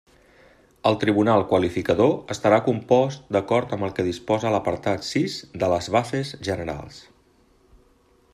El tribunal qualificador estarà compost d'acord amb el que disposa l'apartat sis de les bases generals.